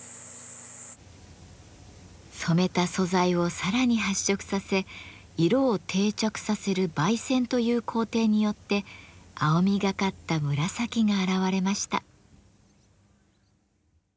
染めた素材をさらに発色させ色を定着させる媒染という工程によって青みがかった紫が現れました。